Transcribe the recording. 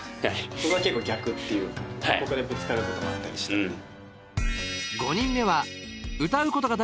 ここは結構逆っていうかはいここでぶつかることもあったりしてね